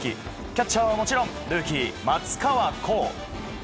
キャッチャーはもちろんルーキー、松川虎生。